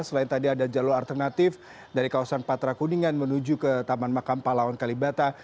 selain tadi ada jalur alternatif dari kawasan patra kuningan menuju ke taman makam palawan kalibata